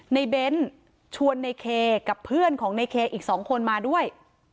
นายเบ้นชวนนายเคกับเพื่อนของนายเคอีกสองคนมาด้วย